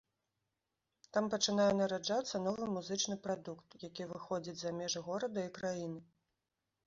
Там пачынае нараджацца новы музычны прадукт, які выходзіць за межы горада і краіны.